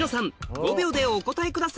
５秒でお答えください